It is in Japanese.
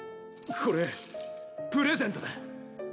これプレゼントだ